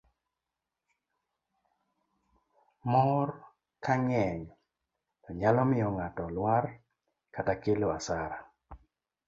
mor kang'eny to nyalo miyo ng'ato lwar kata kelo asara